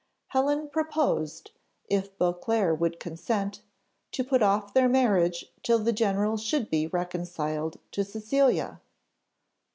Helen proposed, if Beauclerc would consent, to put off their marriage till the general should be reconciled to Cecilia.